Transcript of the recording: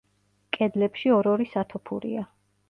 კედლებში ორ-ორი სათოფურია.